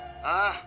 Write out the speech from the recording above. ああ。